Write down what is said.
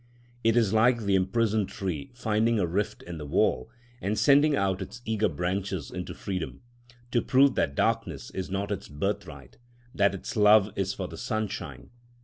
It is like the imprisoned tree finding a rift in the wall, and sending out its eager branches into freedom, to prove that darkness is not its birthright, that its love is for the sunshine.